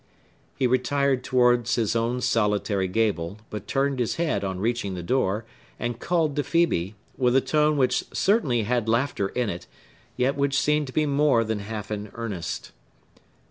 He retired towards his own solitary gable, but turned his head, on reaching the door, and called to Phœbe, with a tone which certainly had laughter in it, yet which seemed to be more than half in earnest.